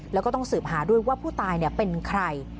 แล้วก็ต้องสืบหาด้วยว่าผู้ตายเป็นใคร